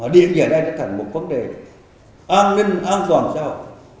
điện về đây sẽ thành một vấn đề an ninh an toàn sao